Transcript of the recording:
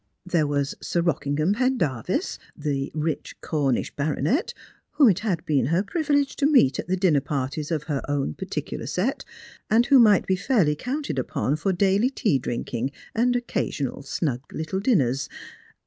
There was Sir Bockingham Pendarvis, the rich Cornish baronet, whom it had been her privilege to meet at the dinner parties of her own particular set, and who might be fairly counted upon for daily tea drinking and occasional snug little dinners.